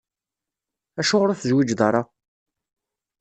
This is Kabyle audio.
Acuɣer ur tezwiǧeḍ ara?